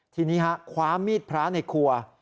ทีนี้คว้ามีดพระในครัว